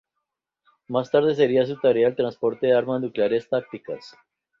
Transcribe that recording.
Más tarde sería su tarea el transporte de armas nucleares tácticas.